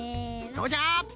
どうじゃ？